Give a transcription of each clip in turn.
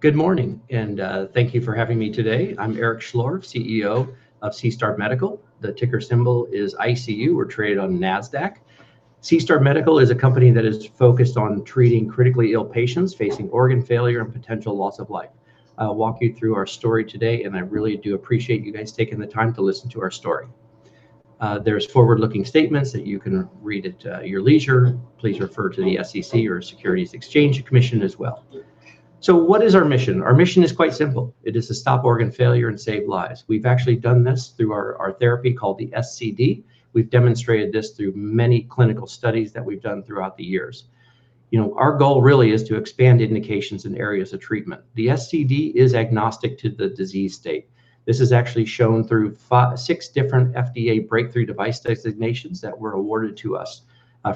Good morning, and thank you for having me today. I'm Eric Schlorff, CEO of SeaStar Medical. The ticker symbol is ICU. We're traded on Nasdaq. SeaStar Medical is a company that is focused on treating critically ill patients facing organ failure and potential loss of life. I'll walk you through our story today, and I really do appreciate you guys taking the time to listen to our story. There's forward-looking statements that you can read at your leisure. Please refer to the SEC, or Securities and Exchange Commission, as well. What is our mission? Our mission is quite simple. It is to stop organ failure and save lives. We've actually done this through our therapy called the SCD. We've demonstrated this through many clinical studies that we've done throughout the years. Our goal really is to expand indications in areas of treatment. The SCD is agnostic to the disease state. This is actually shown through six different FDA breakthrough device designations that were awarded to us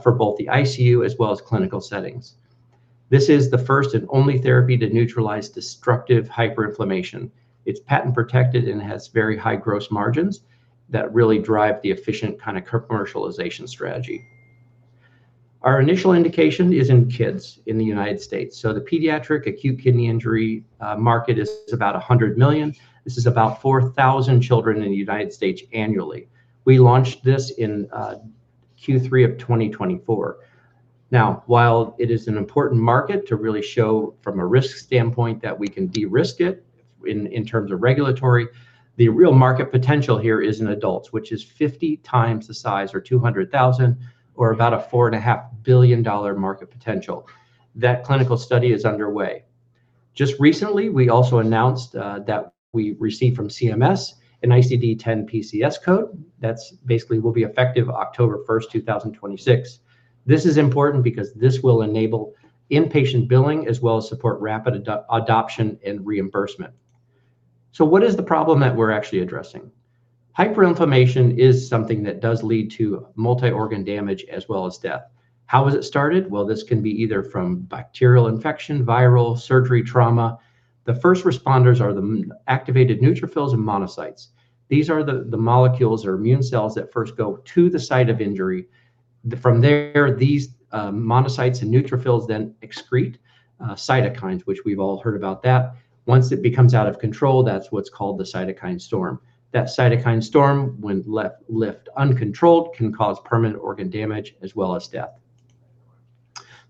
for both the ICU as well as clinical settings. This is the first and only therapy to neutralize destructive hyperinflammation. It's patent-protected and has very high gross margins that really drive the efficient commercialization strategy. Our initial indication is in kids in the United States. The pediatric AKI market is about $100 million. This is about 4,000 children in the United States annually. We launched this in Q3 of 2024. While it is an important market to really show from a risk standpoint that we can de-risk it in terms of regulatory, the real market potential here is in adults, which is 50 times the size or 200,000 or about a $4.5 billion market potential. That clinical study is underway. Just recently, we also announced that we received from CMS an ICD-10-PCS code that basically will be effective October 1st, 2026. This is important because this will enable inpatient billing as well as support rapid adoption and reimbursement. What is the problem that we're actually addressing? Hyperinflammation is something that does lead to multi-organ damage as well as death. How has it started? This can be either from bacterial infection, viral, surgery, trauma. The first responders are the activated neutrophils and monocytes. These are the molecules or immune cells that first go to the site of injury. From there, these monocytes and neutrophils then excrete cytokines, which we've all heard about that. Once it becomes out of control, that's what's called the cytokine storm. That cytokine storm, when left uncontrolled, can cause permanent organ damage as well as death.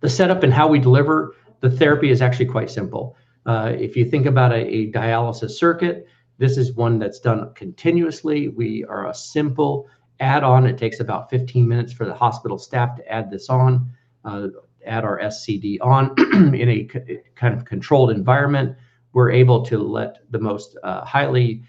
The setup and how we deliver the therapy is actually quite simple. If you think about a dialysis circuit, this is one that's done continuously. We are a simple add-on. It takes about 15 minutes for the hospital staff to add our SCD on in a controlled environment. We're able to let the most highly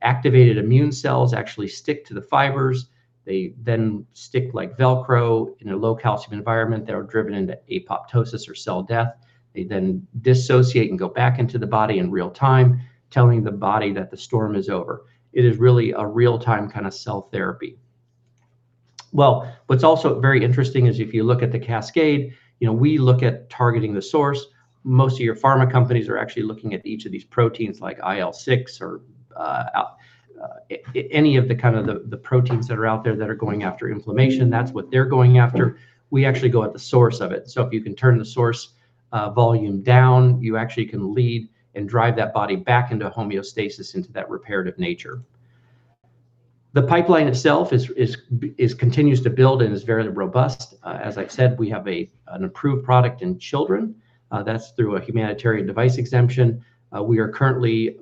activated immune cells actually stick to the fibers. They then stick like Velcro in a low-calcium environment. They are driven into apoptosis or cell death. They then dissociate and go back into the body in real-time, telling the body that the storm is over. It is really a real-time kind of cell therapy. What's also very interesting is if you look at the cascade, we look at targeting the source. Most of your pharma companies are actually looking at each of these proteins, like IL-6 or any of the proteins that are out there that are going after inflammation. That's what they're going after. We actually go at the source of it. If you can turn the source volume down, you actually can lead and drive that body back into homeostasis, into that reparative nature. The pipeline itself continues to build and is very robust. As I said, we have an approved product in children. That's through a humanitarian device exemption. We are currently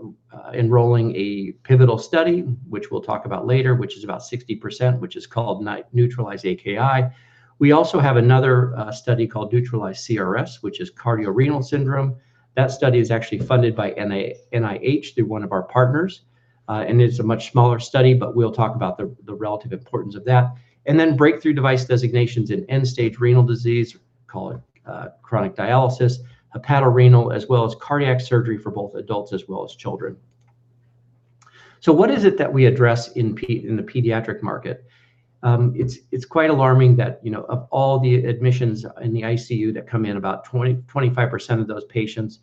enrolling a pivotal study, which we'll talk about later, which is about 60%, which is called NEUTRALIZE-AKI. We also have another study called NEUTRALIZE-CRS, which is cardiorenal syndrome. That study is actually funded by NIH through one of our partners. It's a much smaller study, but we'll talk about the relative importance of that. Breakthrough device designations in end-stage renal disease, call it chronic dialysis, hepatorenal, as well as cardiac surgery for both adults as well as children. What is it that we address in the pediatric market? It's quite alarming that of all the admissions in the ICU that come in, about 25% of those patients,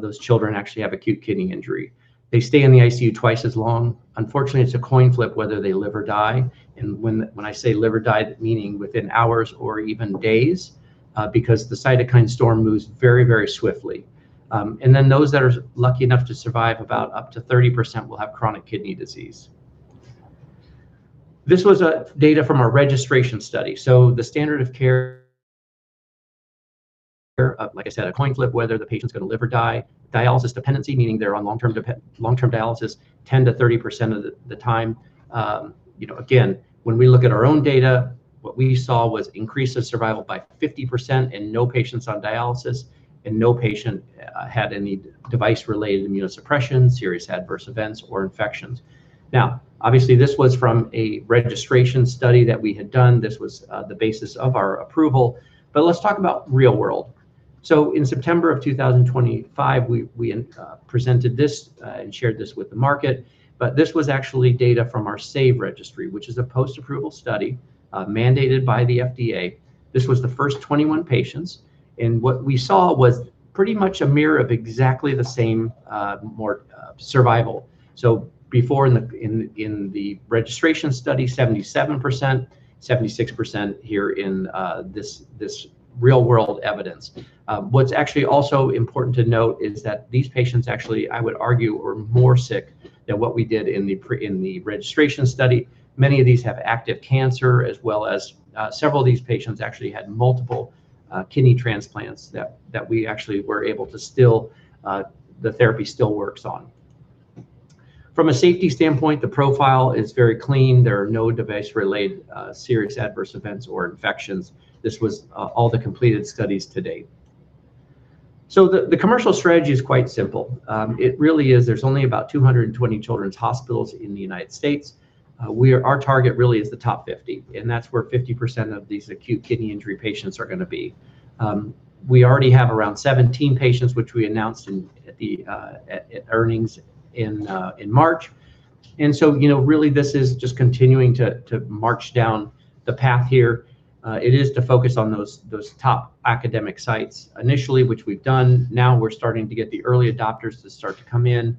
those children actually have acute kidney injury. They stay in the ICU twice as long. Unfortunately, it's a coin flip whether they live or die, and when I say live or die, meaning within hours or even days because the cytokine storm moves very swiftly. Those that are lucky enough to survive, about up to 30% will have chronic kidney disease. This was data from our registration study. The standard of care, like I said, a coin flip whether the patient's going to live or die. Dialysis dependency, meaning they're on long-term dialysis 10%-30% of the time. Again, when we look at our own data, what we saw was increase of survival by 50% and no patients on dialysis, and no patient had any device-related immunosuppression, serious adverse events, or infections. Obviously, this was from a registration study that we had done. This was the basis of our approval. Let's talk about real-world. In September of 2025, we presented this and shared this with the market, but this was actually data from our SAVE Registry, which is a post-approval study mandated by the FDA. This was the first 21 patients. What we saw was pretty much a mirror of exactly the same survival. Before in the registration study, 77%, 76% here in this real-world evidence. What's actually also important to note is that these patients actually, I would argue, are more sick than what we did in the registration study. Many of these have active cancer as well as several of these patients actually had multiple kidney transplants that we actually were able to. The therapy still works on. From a safety standpoint, the profile is very clean. There are no device-related serious adverse events or infections. This was all the completed studies to date. The commercial strategy is quite simple. It really is. There's only about 220 children's hospitals in the United States. Our target really is the top 50, and that's where 50% of these acute kidney injury patients are going to be. We already have around 17 patients, which we announced at the earnings in March. Really this is just continuing to march down the path here. It is to focus on those top academic sites initially, which we've done. We're starting to get the early adopters to start to come in,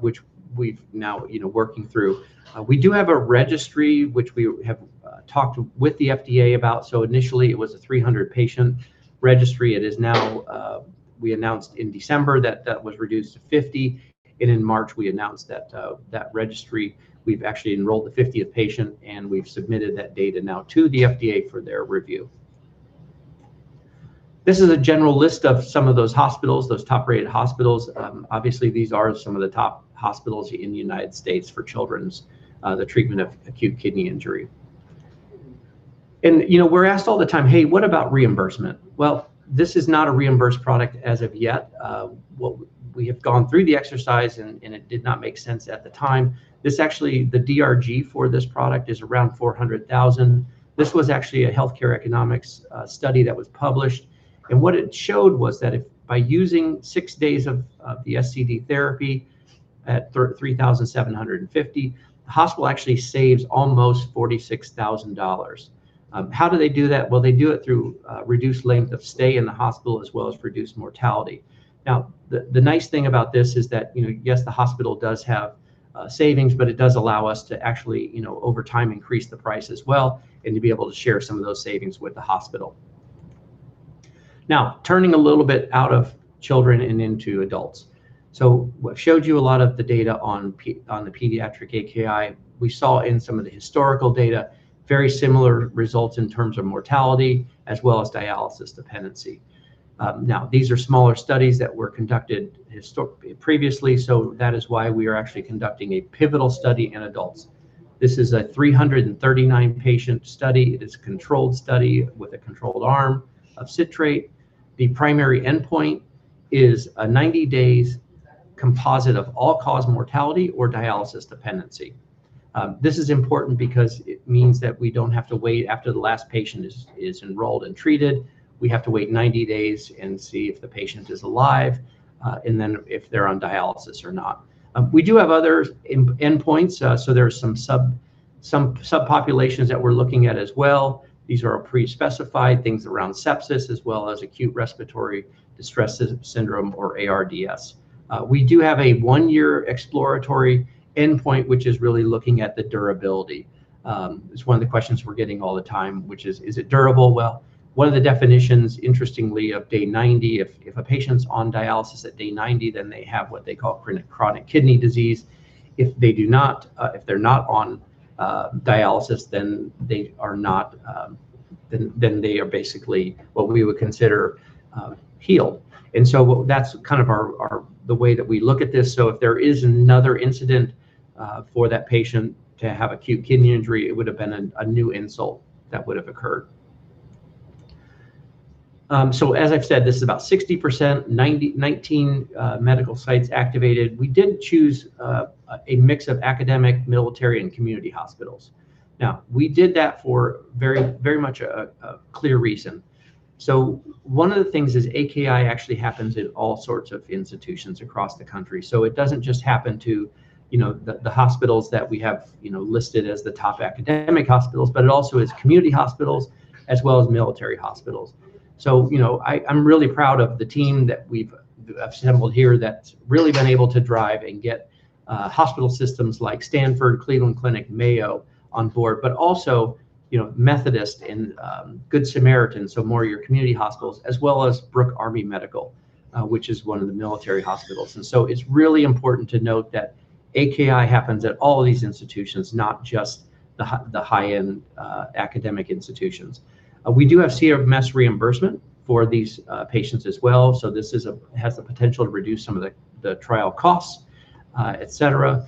which we're now working through. We do have a registry, which we have talked with the FDA about. Initially it was a 300-patient registry. It is now, we announced in December that that was reduced to 50. In March, we announced that registry, we've actually enrolled the 50th patient, and we've submitted that data now to the FDA for their review. This is a general list of some of those hospitals, those top-rated hospitals. Obviously, these are some of the top hospitals in the United States for children's, the treatment of acute kidney injury. We're asked all the time, hey, what about reimbursement? Well, this is not a reimbursed product as of yet. We have gone through the exercise, and it did not make sense at the time. This actually, the DRG for this product is around $400,000. This was actually a healthcare economics study that was published, and what it showed was that if by using six days of the SCD therapy at $3,750, the hospital actually saves almost $46,000. How do they do that? Well, they do it through reduced length of stay in the hospital as well as reduced mortality. The nice thing about this is that, yes, the hospital does have savings, but it does allow us to actually, over time, increase the price as well and to be able to share some of those savings with the hospital. Turning a little bit out of children and into adults. What showed you a lot of the data on the pediatric AKI, we saw in some of the historical data very similar results in terms of mortality as well as dialysis dependency. These are smaller studies that were conducted previously, that is why we are actually conducting a pivotal study in adults. This is a 339-patient study. It is a controlled study with a controlled arm of citrate. The primary endpoint is a 90-day composite of all-cause mortality or dialysis dependency. This is important because it means that we don't have to wait after the last patient is enrolled and treated. We have to wait 90 days and see if the patient is alive, and then if they're on dialysis or not. We do have other endpoints. There's some subpopulations that we're looking at as well. These are pre-specified things around sepsis as well as acute respiratory distress syndrome or ARDS. We do have a one-year exploratory endpoint, which is really looking at the durability. It's one of the questions we're getting all the time, which is: Is it durable? Well, one of the definitions, interestingly, of day 90, if a patient's on dialysis at day 90, then they have what they call chronic kidney disease. If they're not on dialysis, then they are basically what we would consider healed. That's kind of the way that we look at this. If there is another incident for that patient to have acute kidney injury, it would have been a new insult that would have occurred. As I've said, this is about 60%, 19 medical sites activated. We did choose a mix of academic, military, and community hospitals. We did that for very much a clear reason. One of the things is AKI actually happens at all sorts of institutions across the country. It doesn't just happen to the hospitals that we have listed as the top academic hospitals, but it also is community hospitals as well as military hospitals. I'm really proud of the team that we've assembled here that's really been able to drive and get hospital systems like Stanford, Cleveland Clinic, Mayo on board, but also Methodist and Good Samaritan, more of your community hospitals, as well as Brooke Army Medical, which is one of the military hospitals. It's really important to note that AKI happens at all of these institutions, not just the high-end academic institutions. We do have CMS reimbursement for these patients as well, this has the potential to reduce some of the trial costs, et cetera.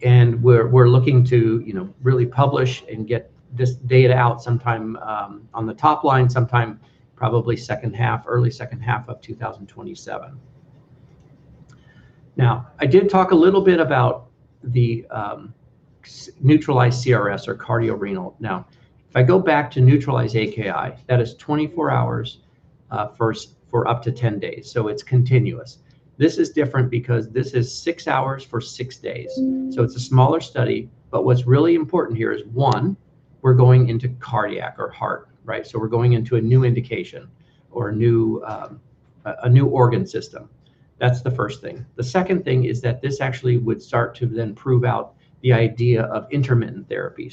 We're looking to really publish and get this data out sometime on the top line, sometime probably second half, early second half of 2027. I did talk a little bit about the NEUTRALIZE-CRS or cardiorenal. If I go back to NEUTRALIZE-AKI, that is 24 hours for up to 10 days. It's continuous. This is different because this is six hours for six days. It's a smaller study, but what's really important here is, one, we're going into cardiac or heart. We're going into a new indication or a new organ system. That's the first thing. The second thing is that this actually would start to then prove out the idea of intermittent therapy.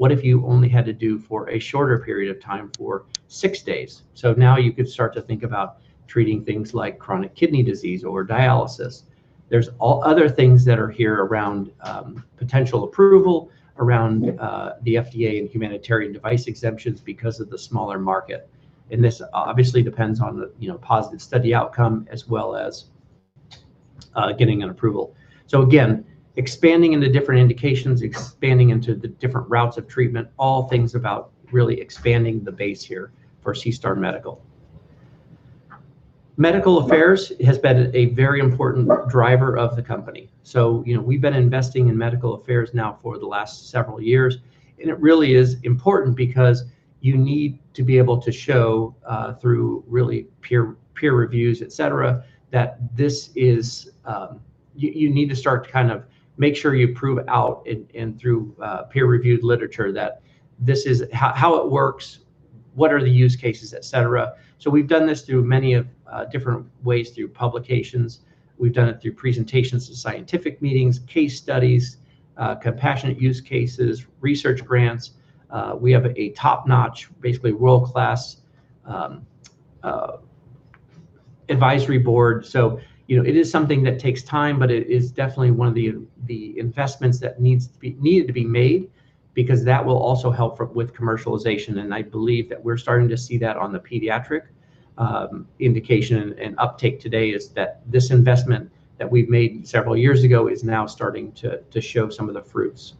What if you only had to do for a shorter period of time, for six days? Now you could start to think about treating things like chronic kidney disease or dialysis. There's other things that are here around potential approval, around the FDA and humanitarian device exemptions because of the smaller market, and this obviously depends on the positive study outcome as well as getting an approval. Again, expanding into different indications, expanding into the different routes of treatment, all things about really expanding the base here for SeaStar Medical. Medical affairs has been a very important driver of the company. We've been investing in medical affairs now for the last several years, and it really is important because you need to be able to show, through really peer reviews, et cetera, you need to start to kind of make sure you prove out and through peer-reviewed literature how it works, what are the use cases, et cetera. We've done this through many of different ways, through publications. We've done it through presentations to scientific meetings, case studies, compassionate use cases, research grants. We have a top-notch, basically world-class advisory board. It is something that takes time, but it is definitely one of the investments that needed to be made because that will also help with commercialization. I believe that we're starting to see that on the pediatric indication and uptake today is that this investment that we've made several years ago is now starting to show some of the fruits.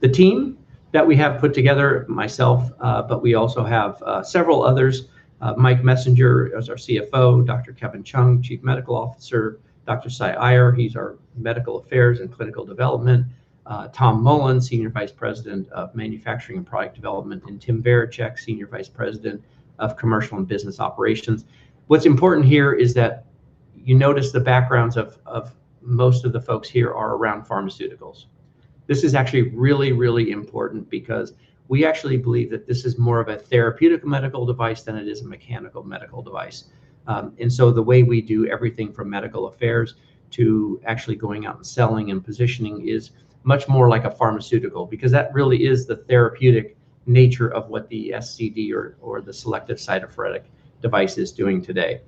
The team that we have put together, myself, but we also have several others. Michael Messinger is our CFO, Dr. Kevin Chung, Chief Medical Officer, Dr. Sai Iyer, he's our Medical Affairs and Clinical Development, Tom Mullen, Senior Vice President of Manufacturing and Product Development, and Tim Varacek, Senior Vice President of Commercial and Business Operations. What's important here is that you notice the backgrounds of most of the folks here are around pharmaceuticals. This is actually really, really important because we actually believe that this is more of a therapeutic medical device than it is a mechanical medical device. The way we do everything from Medical Affairs to actually going out and selling and positioning is much more like a pharmaceutical, because that really is the therapeutic nature of what the SCD or the Selective Cytopheretic Device is doing today.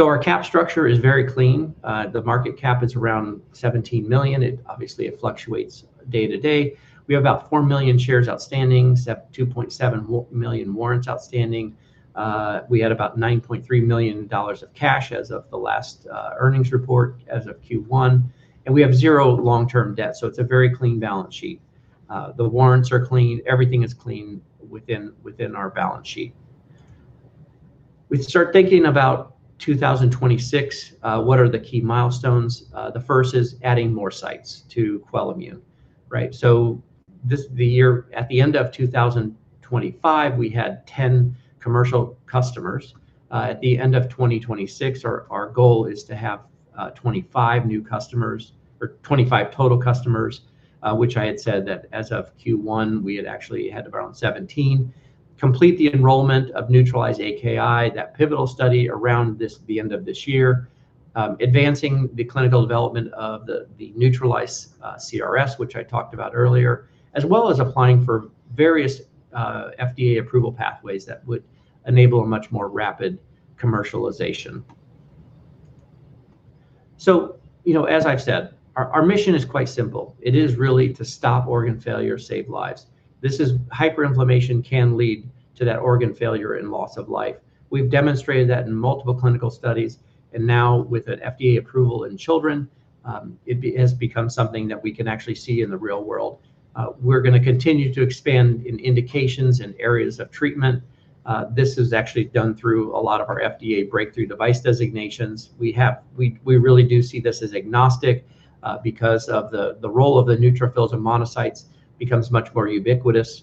Our cap structure is very clean. The market cap is around $17 million. Obviously it fluctuates day to day. We have about 4 million shares outstanding, 2.7 million warrants outstanding. We had about $9.3 million of cash as of the last earnings report as of Q1, and we have zero long-term debt, so it's a very clean balance sheet. The warrants are clean, everything is clean within our balance sheet. We start thinking about 2026, what are the key milestones? The first is adding more sites to QUELIMMUNE. At the end of 2025, we had 10 commercial customers. At the end of 2026, our goal is to have 25 new customers or 25 total customers, which I had said that as of Q1, we had actually had around 17. Complete the enrollment of NEUTRALIZE-AKI, that pivotal study around the end of this year. Advancing the clinical development of the NEUTRALIZE-CRS, which I talked about earlier, as well as applying for various FDA approval pathways that would enable a much more rapid commercialization. As I've said, our mission is quite simple. It is really to stop organ failure, save lives. This is hyperinflammation can lead to that organ failure and loss of life. We've demonstrated that in multiple clinical studies, and now with an FDA approval in children, it has become something that we can actually see in the real world. We're going to continue to expand in indications and areas of treatment. This is actually done through a lot of our FDA Breakthrough Device Designations. We really do see this as agnostic, because of the role of the neutrophils and monocytes becomes much more ubiquitous.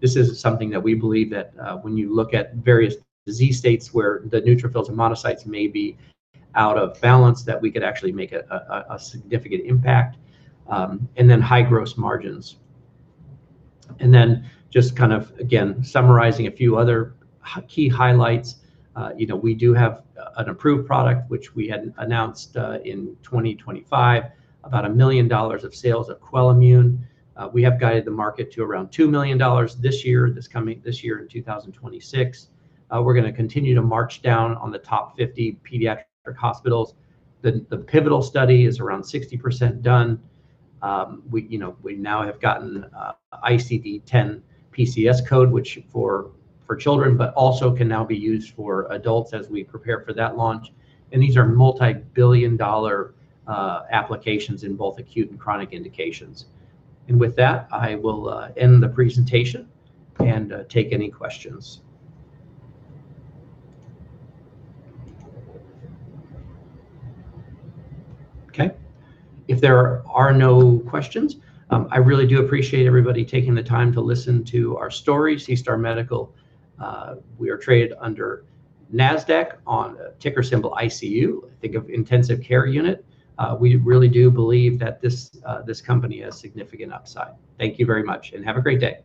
This is something that we believe that when you look at various disease states where the neutrophils and monocytes may be out of balance, that we could actually make a significant impact. High gross margins. Just kind of, again, summarizing a few other key highlights. We do have an approved product, which we had announced, in 2025, about a million dollars of sales of QUELIMMUNE. We have guided the market to around $2 million this year in 2026. We're going to continue to march down on the top 50 pediatric hospitals. The pivotal study is around 60% done. We now have gotten ICD-10-PCS code, which for children, but also can now be used for adults as we prepare for that launch, and these are multi billion dollar applications in both acute and chronic indications. With that, I will end the presentation and take any questions. Okay. If there are no questions, I really do appreciate everybody taking the time to listen to our story. SeaStar Medical, we are traded under Nasdaq on ticker symbol ICU. Think of intensive care unit. We really do believe that this company has significant upside. Thank you very much, and have a great day.